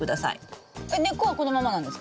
えっ根っこはこのままなんですか？